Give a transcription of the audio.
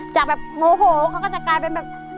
จากแบบโมโหเขาก็จะกลายเป็นแบบ